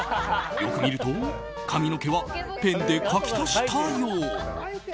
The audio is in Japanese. よく見ると髪の毛はペンで描き足したよう。